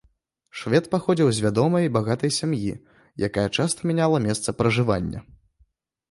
Швед паходзіў з вядомай і багатай сям'і, якая часта мяняла месца пражывання.